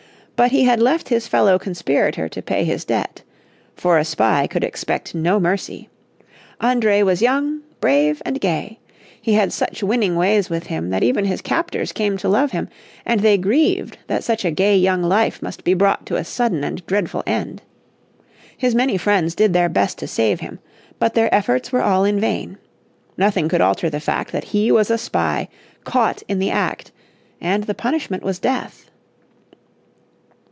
But he had left his fellow conspirator to pay his debt. For a spy could expect no mercy. André was young, brave, and gay. He had such winning ways with him that even his captors came to love him, and they grieved that such a gay young life must be brought to a sudden and dreadful end. His many friends did their best to save him. But their efforts were all in vain. Nothing could alter the fact that he was a spy caught in the act, and the punishment was death.